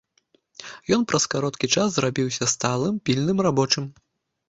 Ён праз кароткі час зрабіўся сталым, пільным рабочым.